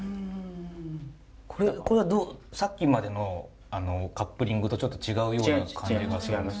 これはさっきまでのカップリングとちょっと違うような感じがします。